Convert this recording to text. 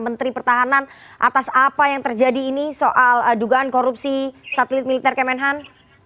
menteri pertahanan atas apa yang terjadi ini soal dugaan korupsi satelit militer kemenhan